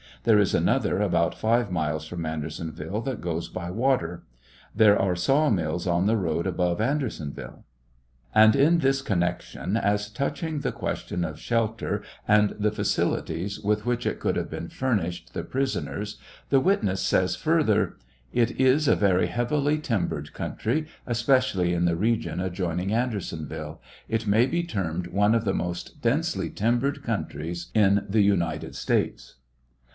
There is another about five miles from Andersonville that goes by water. There are saw mills on the road above Andersonville. And in this connection, as touching the question of shelter and the facilities with which it could, have been furnished the prisoners, the witness says fur ther : It is a very heavily timbered country, especially in the regiou'adjoining Andersonville ; it may be termed one of the most densely timbered couotries in the United States.